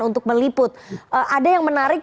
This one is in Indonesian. untuk meliput ada yang menarik